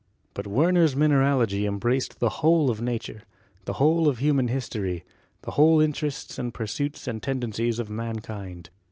But Wer ner's mineralogy embraced the whole of Nature, the whole of human history, the whole interests and pursuits and tendencies of mankind.